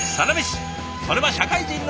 それは社会人の証し！